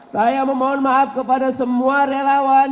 saya memohon maaf kepada semua relawan